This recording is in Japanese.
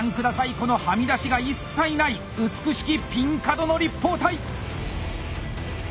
このハミ出しが一切ない美しきピン角の立方体！